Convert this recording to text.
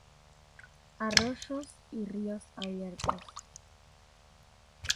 Arroyos y ríos abiertos.